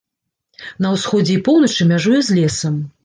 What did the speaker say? На ўсходзе і поўначы мяжуе з лесам.